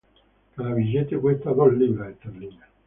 Cada billete cuesta dos libras esterlinas.